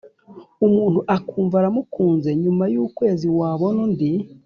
Umuntu ukumva uramukunze nyuma y ukwezi wabona undi